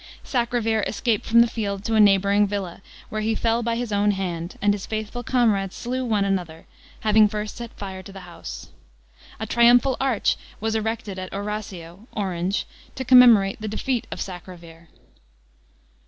Sacrovir escaped from the field to a neighbouring villa, where he fell by his own hand, and his faithful comrades slew one another, having first set fire to the house. A triumphal arch was erected at Arausio (Orange) to commemorate the defeat of Sacrovir.